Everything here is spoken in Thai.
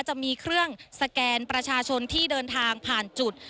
จะมีเครื่องสแกนประชาชนที่เดินทางผ่านจุด